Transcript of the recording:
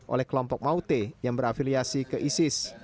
oleh kelompok maute yang berafiliasi ke isis